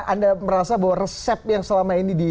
anda merasa bahwa resep yang selama ini di